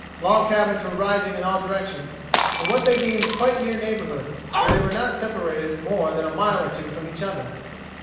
Log cabins were rising in all directions, in what they deemed quite near neighborhood, for they were not separated more than a mile or two from each other.